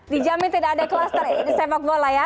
dijamin tidak ada kluster ya di sepak bola ya